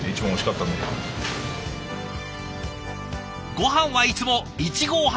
ごはんはいつも１合半。